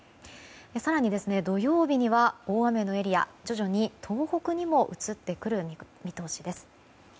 更に、土曜日には大雨のエリアが徐々に東北にも移ってくる見通しです。